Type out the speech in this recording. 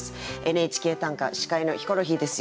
「ＮＨＫ短歌」司会のヒコロヒーです。